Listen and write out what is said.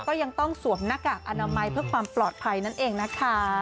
ก็ยังต้องสวมหน้ากากอนามัยเพื่อความปลอดภัยนั่นเองนะคะ